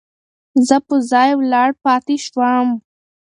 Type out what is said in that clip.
زه په ځای ولاړ پاتې شوم.